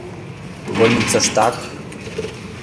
— Больницыштак.